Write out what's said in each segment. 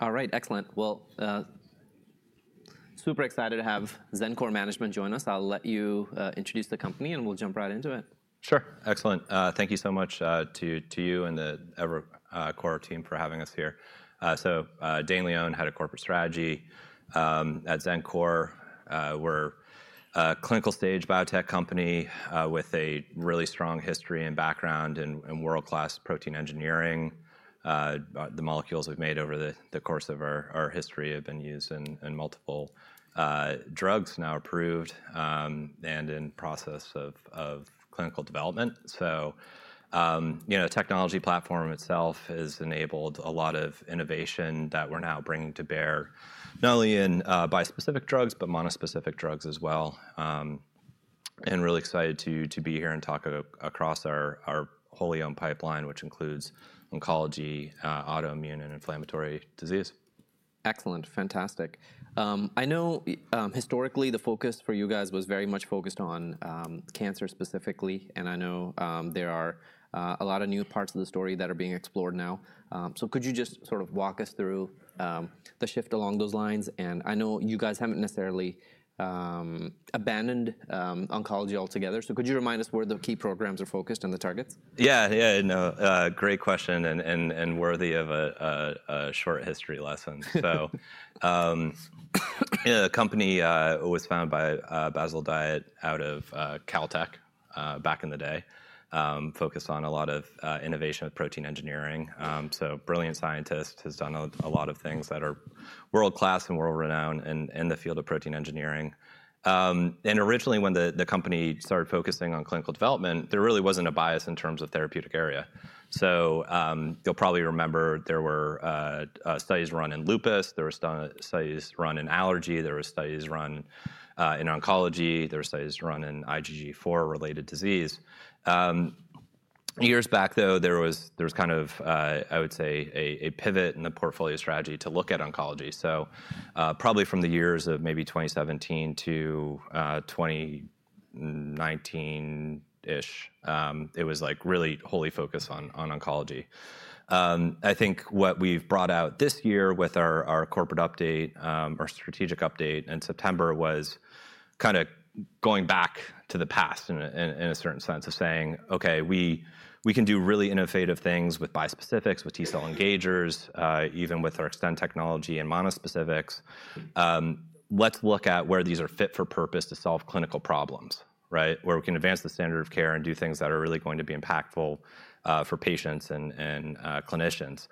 All right, excellent. Well, super excited to have Xencor Management join us. I'll let you introduce the company, and we'll jump right into it. Sure, excellent. Thank you so much to you and the Evercore team for having us here. Dane Leone, SVP, Corporate Strategy at Xencor. We're a clinical stage biotech company with a really strong history and background in world-class protein engineering. The molecules we've made over the course of our history have been used in multiple drugs, now approved and in process of clinical development. The technology platform itself has enabled a lot of innovation that we're now bringing to bear, not only in bispecific drugs, but monospecific drugs as well. Really excited to be here and talk across our wholly owned pipeline, which includes oncology, autoimmune, and inflammatory disease. Excellent, fantastic. I know historically the focus for you guys was very much focused on cancer specifically, and I know there are a lot of new parts of the story that are being explored now. So could you just sort of walk us through the shift along those lines? And I know you guys haven't necessarily abandoned oncology altogether. So could you remind us where the key programs are focused and the targets? Yeah, yeah, no, great question and worthy of a short history lesson. So the company was founded by Bassil Dahiyat out of Caltech back in the day, focused on a lot of innovation with protein engineering. So a brilliant scientist has done a lot of things that are world-class and world-renowned in the field of protein engineering. And originally when the company started focusing on clinical development, there really wasn't a bias in terms of therapeutic area. So you'll probably remember there were studies run in lupus, there were studies run in allergy, there were studies run in oncology, there were studies run in IgG4-related disease. Years back though, there was kind of, I would say, a pivot in the portfolio strategy to look at oncology. So probably from the years of maybe 2017-2019-ish, it was like really wholly focused on oncology. I think what we've brought out this year with our corporate update, our strategic update in September, was kind of going back to the past in a certain sense of saying, "Okay, we can do really innovative things with bispecifics, with T-cell engagers, even with our extended technology and monospecifics. Let's look at where these are fit for purpose to solve clinical problems, right? Where we can advance the standard of care and do things that are really going to be impactful for patients and clinicians."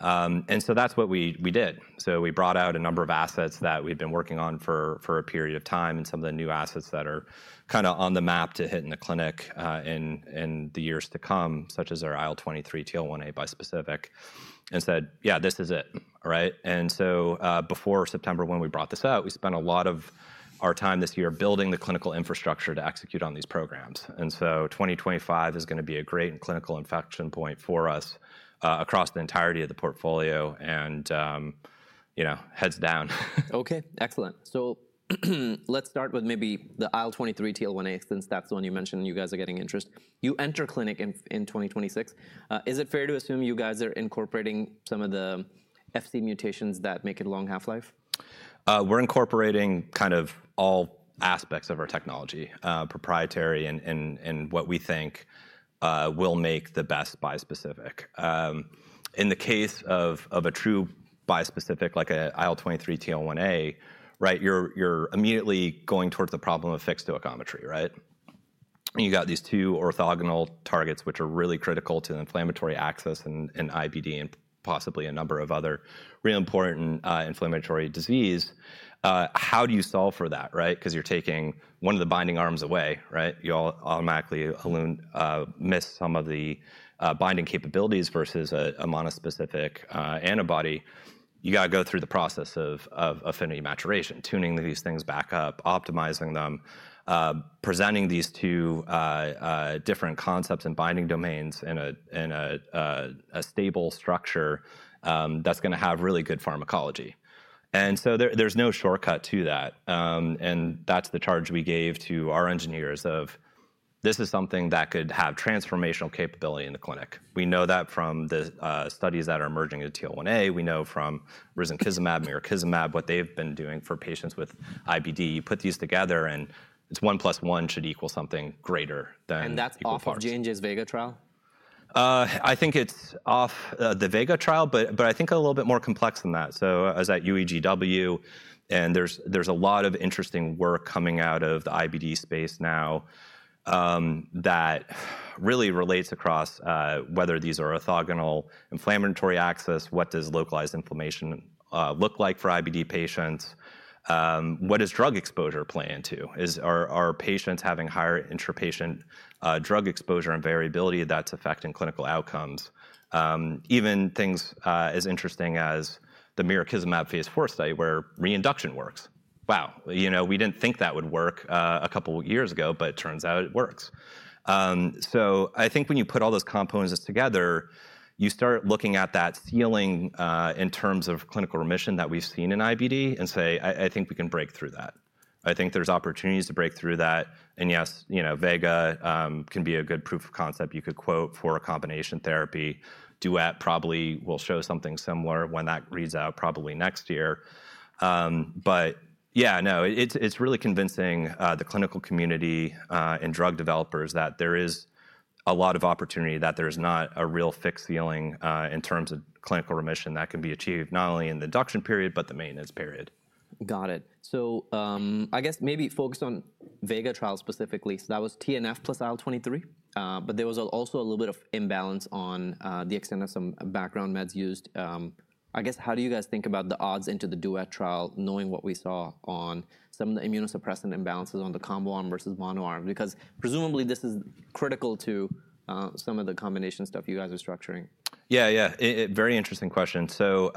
And so that's what we did. So we brought out a number of assets that we've been working on for a period of time and some of the new assets that are kind of on the map to hit in the clinic in the years to come, such as our IL-23, TL1A bispecific, and said, "Yeah, this is it," right? Before September, when we brought this out, we spent a lot of our time this year building the clinical infrastructure to execute on these programs. 2025 is going to be a great clinical inflection point for us across the entirety of the portfolio and heads down. Okay, excellent. So let's start with maybe the IL-23, TL1A, since that's the one you mentioned you guys are getting interest. You enter clinic in 2026. Is it fair to assume you guys are incorporating some of the Fc mutations that make it a long half-life? We're incorporating kind of all aspects of our technology, proprietary and what we think will make the best bispecific. In the case of a true bispecific like an IL-23, TL1A, right, you're immediately going towards the problem of fixed stoichiometry, right? And you got these two orthogonal targets, which are really critical to inflammatory axis and IBD and possibly a number of other really important inflammatory diseases. How do you solve for that, right? Because you're taking one of the binding arms away, right? You automatically miss some of the binding capabilities versus a monospecific antibody. You got to go through the process of affinity maturation, tuning these things back up, optimizing them, presenting these two different concepts and binding domains in a stable structure that's going to have really good pharmacology. And so there's no shortcut to that. That's the charge we gave to our engineers of, "This is something that could have transformational capability in the clinic." We know that from the studies that are emerging in TL1A. We know from Risankizumab, Mirikizumab, what they've been doing for patients with IBD. You put these together and it's one plus one should equal something greater than two. And that's off J&J's VEGA trial? I think it's off the VEGA trial, but I think a little bit more complex than that. I was at UEGW and there's a lot of interesting work coming out of the IBD space now that really relates across whether these are orthogonal inflammatory axes, what does localized inflammation look like for IBD patients? What does drug exposure play into? Are patients having higher intrapatient drug exposure and variability that's affecting clinical outcomes? Even things as interesting as the Mirikizumab phase four study where reinduction works. Wow, you know, we didn't think that would work a couple of years ago, but it turns out it works. When you put all those components together, you start looking at that ceiling in terms of clinical remission that we've seen in IBD and say, "I think we can break through that." I think there's opportunities to break through that. Yes, you know, VEGA can be a good proof of concept you could quote for a combination therapy. DUET probably will show something similar when that reads out probably next year. Yeah, no, it's really convincing the clinical community and drug developers that there is a lot of opportunity, that there's not a real fixed ceiling in terms of clinical remission that can be achieved not only in the induction period, but the maintenance period. Got it. So I guess maybe focus on VEGA trial specifically. So that was TNF plus IL-23, but there was also a little bit of imbalance on the extent of some background meds used. I guess how do you guys think about the odds into the DUET trial, knowing what we saw on some of the immunosuppressant imbalances on the combo arm versus mono arm? Because presumably this is critical to some of the combination stuff you guys are structuring. Yeah, yeah, very interesting question. So.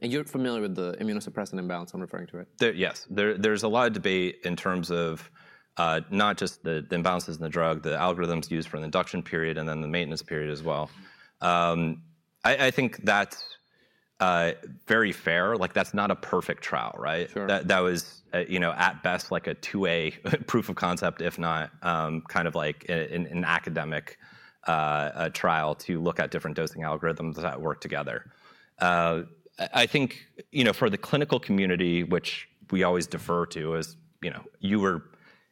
You're familiar with the immunosuppressant imbalance I'm referring to, right? Yes, there's a lot of debate in terms of not just the imbalances in the drug, the algorithms used for an induction period and then the maintenance period as well. I think that's very fair. Like that's not a perfect trial, right? That was at best like a 2A proof of concept, if not kind of like an academic trial to look at different dosing algorithms that work together. I think for the clinical community, which we always defer to, as you were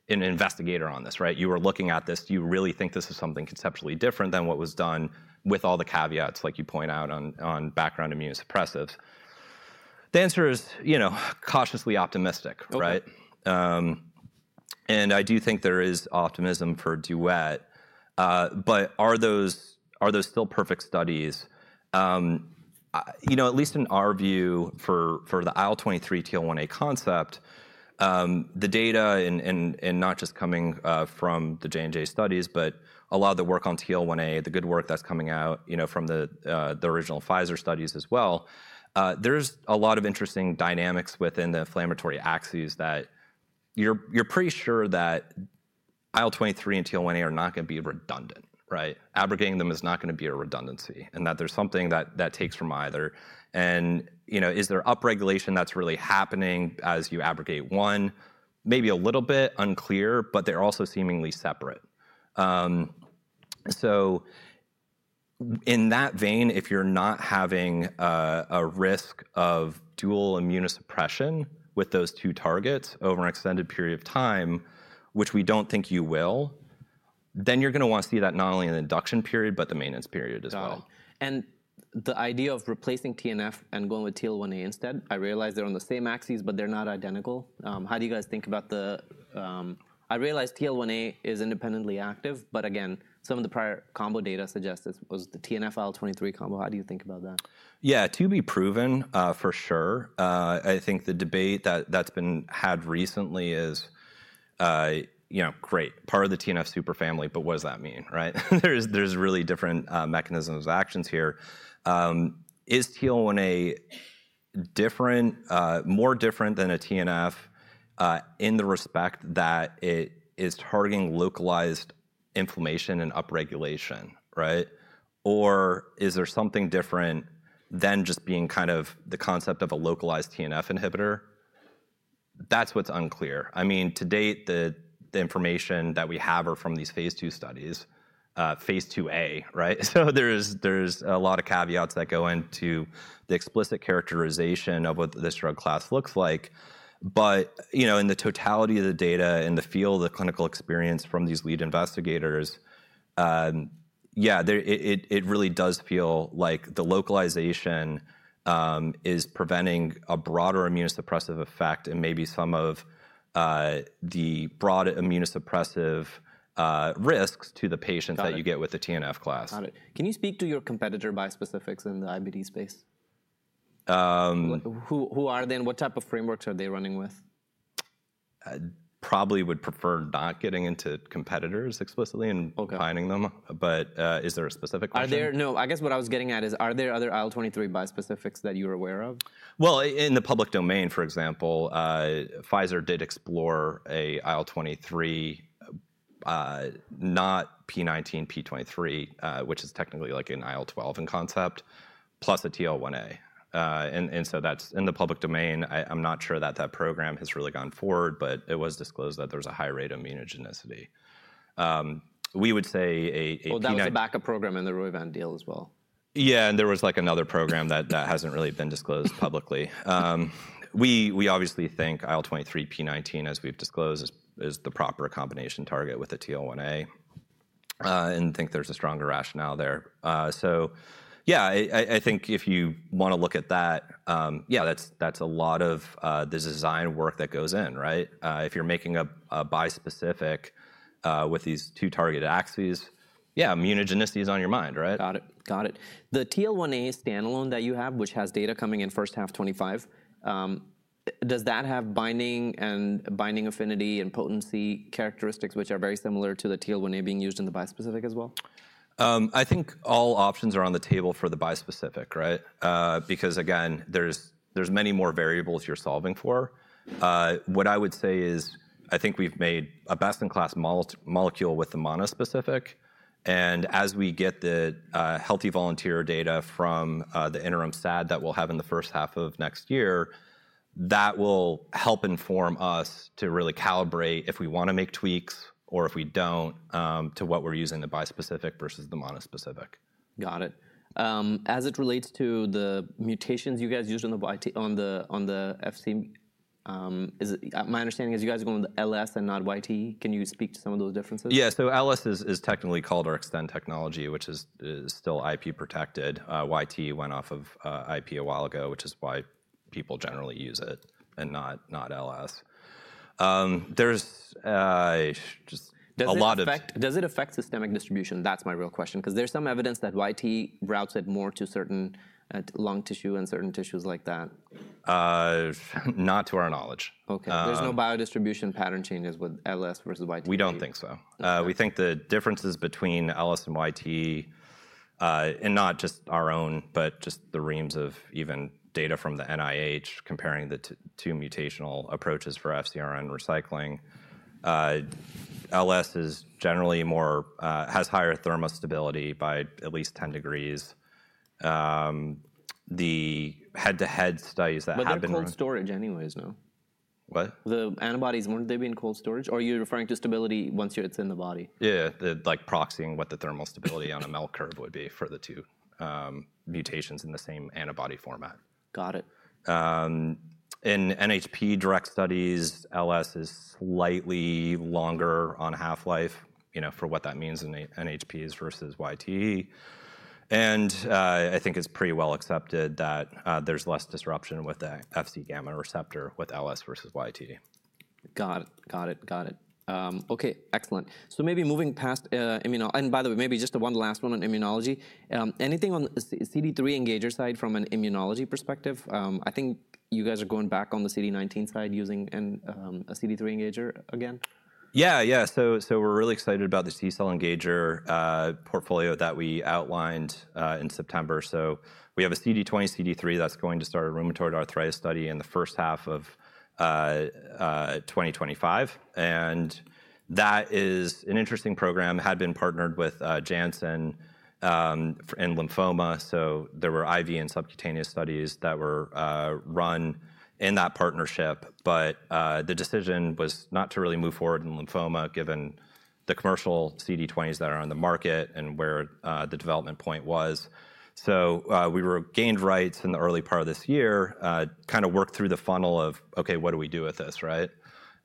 an investigator on this, right? You were looking at this, you really think this is something conceptually different than what was done with all the caveats like you point out on background immunosuppressants. The answer is cautiously optimistic, right? And I do think there is optimism for DUET, but are those still perfect studies? You know, at least in our view for the IL-23, TL1A concept, the data and not just coming from the J&J studies, but a lot of the work on TL1A, the good work that's coming out from the original Pfizer studies as well, there's a lot of interesting dynamics within the inflammatory axes that you're pretty sure that IL-23 and TL1A are not going to be redundant, right? Abrogating them is not going to be a redundancy and that there's something that takes from either. Is there upregulation that's really happening as you abrogate one? Maybe a little bit unclear, but they're also seemingly separate. So in that vein, if you're not having a risk of dual immunosuppression with those two targets over an extended period of time, which we don't think you will, then you're going to want to see that not only in the induction period, but the maintenance period as well. The idea of replacing TNF and going with TL1A instead, I realize they're on the same axis, but they're not identical. How do you guys think about the, I realize TL1A is independently active, but again, some of the prior combo data suggests this was the TNF IL-23 combo. How do you think about that? Yeah, to be proven for sure. I think the debate that's been had recently is great. Part of the TNF superfamily, but what does that mean, right? There's really different mechanisms of actions here. Is TL1A different, more different than a TNF in the respect that it is targeting localized inflammation and upregulation, right? Or is there something different than just being kind of the concept of a localized TNF inhibitor? That's what's unclear. I mean, to date, the information that we have are from these phase two studies, Phase 2A, right? So there's a lot of caveats that go into the explicit characterization of what this drug class looks like. But in the totality of the data, in the field, the clinical experience from these lead investigators, yeah, it really does feel like the localization is preventing a broader immunosuppressive effect and maybe some of the broader immunosuppressive risks to the patients that you get with the TNF class. Got it. Can you speak to your competitor bispecifics in the IBD space? Who are they and what type of frameworks are they running with? Probably would prefer not getting into competitors explicitly and finding them. But is there a specific question? No, I guess what I was getting at is, are there other IL-23 bispecifics that you're aware of? In the public domain, for example, Pfizer did explore an IL-23, not p19, p23, which is technically like an IL-12 in concept, plus a TL1A. So that's in the public domain. I'm not sure that that program has really gone forward, but it was disclosed that there's a high rate of immunogenicity. We would say a TNF. That was a backup program in the Roivant deal as well. Yeah, and there was like another program that hasn't really been disclosed publicly. We obviously think IL-23p19, as we've disclosed, is the proper combination target with a TL1A and think there's a stronger rationale there. So yeah, I think if you want to look at that, yeah, that's a lot of the design work that goes in, right? If you're making a bispecific with these two targeted axes, yeah, immunogenicity is on your mind, right? Got it. Got it. The TL-1A standalone that you have, which has data coming in first half 2025, does that have binding and binding affinity and potency characteristics, which are very similar to the TL-1A being used in the bispecific as well? I think all options are on the table for the bispecific, right? Because again, there's many more variables you're solving for. What I would say is I think we've made a best-in-class molecule with the monospecific, and as we get the healthy volunteer data from the interim SAD that we'll have in the first half of next year, that will help inform us to really calibrate if we want to make tweaks or if we don't to what we're using the bispecific versus the monospecific. Got it. As it relates to the mutations you guys used on the Fc, my understanding is you guys are going with LS and not YTE. Can you speak to some of those differences? Yeah, so LS is technically called our Xtend technology, which is still IP protected. YTE went off of IP a while ago, which is why people generally use it and not LS. There's just a lot of. Does it affect systemic distribution? That's my real question. Because there's some evidence that YTE routes it more to certain lung tissue and certain tissues like that. Not to our knowledge. Okay. There's no biodistribution pattern changes with LS versus YTE? We don't think so. We think the differences between LS and YTE, and not just our own, but just the reams of even data from the NIH comparing the two mutational approaches for FcRn recycling. LS is generally more, has higher thermostability by at least 10 degrees. The head-to-head studies that happened. But that's cold storage anyways, no? What? The antibodies, weren't they being cold storage? Or are you referring to stability once it's in the body? Yeah, like proxying what the thermal stability on a MEL curve would be for the two mutations in the same antibody format. Got it. In NHP direct studies, LS is slightly longer on half-life for what that means in NHPs versus YTE, and I think it's pretty well accepted that there's less disruption with the Fc gamma receptor with LS versus YTE. Got it. Okay, excellent, so maybe moving past immunology, and by the way, maybe just one last one on immunology. Anything on the CD3 engager side from an immunology perspective? I think you guys are going back on the CD19 side using a CD3 engager again. Yeah, yeah. So we're really excited about the T-cell engager portfolio that we outlined in September. So we have a CD20, CD3 that's going to start a rheumatoid arthritis study in the first half of 2025. And that is an interesting program, had been partnered with Janssen in lymphoma. So there were IV and subcutaneous studies that were run in that partnership, but the decision was not to really move forward in lymphoma given the commercial CD20s that are on the market and where the development point was. So we regained rights in the early part of this year, kind of worked through the funnel of, okay, what do we do with this, right?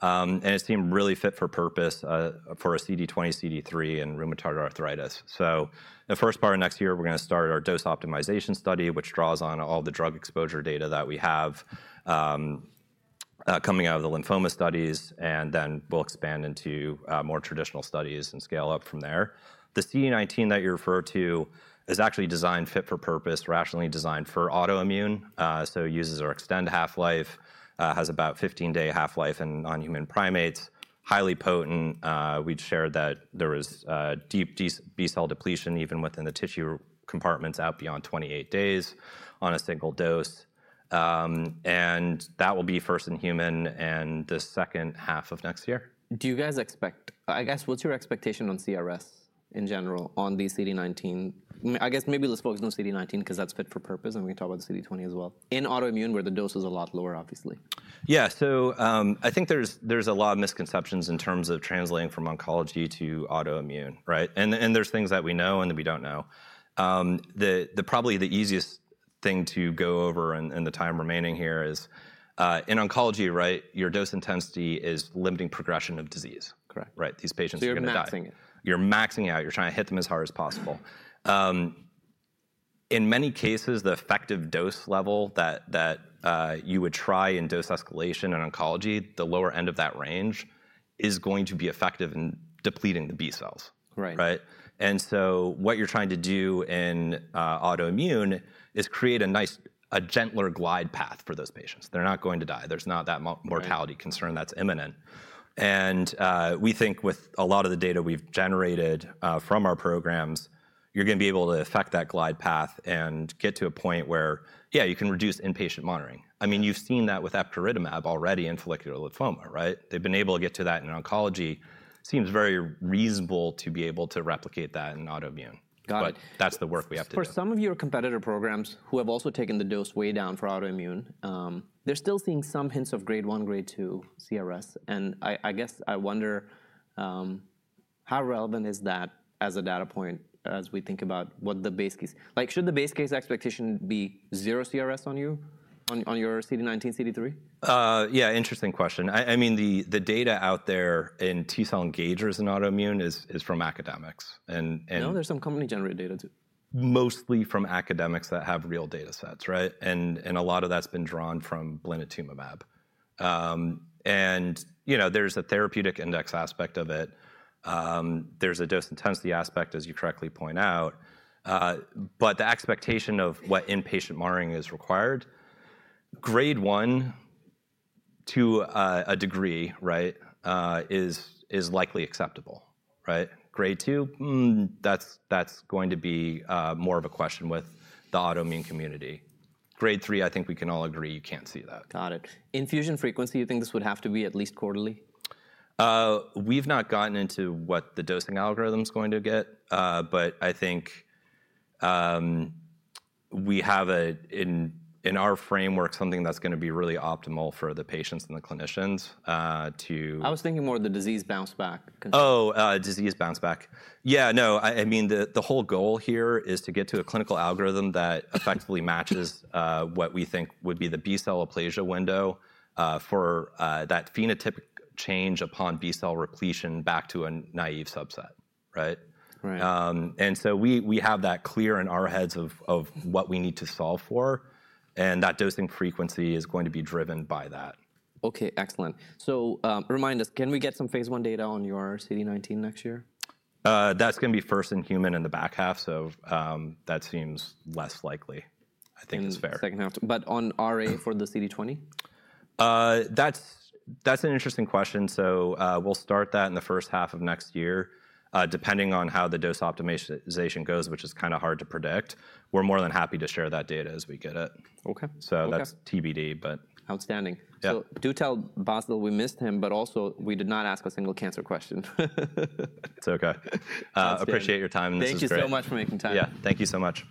And it seemed really fit for purpose for a CD20, CD3 in rheumatoid arthritis. So the first part of next year, we're going to start our dose optimization study, which draws on all the drug exposure data that we have coming out of the lymphoma studies, and then we'll expand into more traditional studies and scale up from there. The CD19 that you referred to is actually designed fit for purpose, rationally designed for autoimmune. So it uses our extended half-life, has about 15-day half-life in non-human primates, highly potent. We'd shared that there was deep B-cell depletion even within the tissue compartments out beyond 28 days on a single dose. And that will be first in human and the second half of next year. Do you guys expect, I guess, what's your expectation on CRS in general on the CD19? I guess maybe let's focus on CD19 because that's fit for purpose and we can talk about the CD20 as well. In autoimmune where the dose is a lot lower, obviously. Yeah, so I think there's a lot of misconceptions in terms of translating from oncology to autoimmune, right? And there's things that we know and that we don't know. Probably the easiest thing to go over in the time remaining here is in oncology, right? Your dose intensity is limiting progression of disease, right? These patients are going to die. You're maxing it. You're maxing out. You're trying to hit them as hard as possible. In many cases, the effective dose level that you would try in dose escalation in oncology, the lower end of that range is going to be effective in depleting the B cells, right? And so what you're trying to do in autoimmune is create a nice, a gentler glide path for those patients. They're not going to die. There's not that mortality concern that's imminent. And we think with a lot of the data we've generated from our programs, you're going to be able to affect that glide path and get to a point where, yeah, you can reduce inpatient monitoring. I mean, you've seen that with Epcoritamab already in follicular lymphoma, right? They've been able to get to that in oncology. Seems very reasonable to be able to replicate that in autoimmune. Got it. But that's the work we have to do. For some of your competitor programs who have also taken the dose way down for autoimmune, they're still seeing some hints of Grade 1, Grade 2 CRS. And I guess I wonder how relevant is that as a data point as we think about what the base case? Like should the base case expectation be zero CRS on you, on your CD19, CD3? Yeah, interesting question. I mean, the data out there in T-cell engagers in autoimmune is from academics. No, there's some company-generated data too. Mostly from academics that have real data sets, right? And a lot of that's been drawn from Blinatumomab, and there's a therapeutic index aspect of it. There's a dose intensity aspect, as you correctly point out, but the expectation of what inpatient monitoring is required, Grade 1 to a degree, right, is likely acceptable, right? Grade 2, that's going to be more of a question with the autoimmune community. Grade 3, I think we can all agree you can't see that. Got it. Infusion frequency, you think this would have to be at least quarterly? We've not gotten into what the dosing algorithm's going to get, but I think we have in our framework something that's going to be really optimal for the patients and the clinicians to. I was thinking more of the disease bounce back. Oh, disease bounce back. Yeah, no, I mean, the whole goal here is to get to a clinical algorithm that effectively matches what we think would be the B-cell aplasia window for that phenotypic change upon B-cell repletion back to a naive subset, right? And so we have that clear in our heads of what we need to solve for. And that dosing frequency is going to be driven by that. Okay, excellent. So remind us, can we get some Phase I data on your CD19 next year? That's going to be first-in-human in the back half. So that seems less likely. I think it's fair. Second half. But on RA for the CD20? That's an interesting question. So we'll start that in the first half of next year, depending on how the dose optimization goes, which is kind of hard to predict. We're more than happy to share that data as we get it. So that's TBD, but. Outstanding. So do tell Bassil, we missed him, but also we did not ask a single cancer question. It's okay. Appreciate your time in this interview. Thank you so much for making time. Yeah, thank you so much.